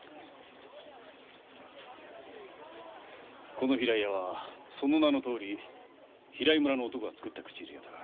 この平井屋はその名のとおり平井村の男が作った口入屋だ。